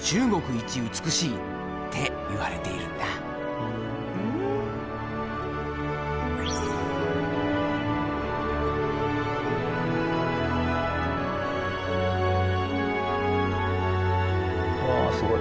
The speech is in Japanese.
一美しいっていわれているんだうわすごい。